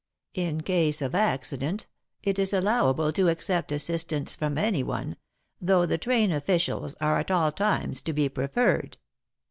In case of accident it is allowable to accept assistance from anyone, though the train officials are at all times to be preferred.